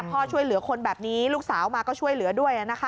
ช่วยเหลือคนแบบนี้ลูกสาวมาก็ช่วยเหลือด้วยนะคะ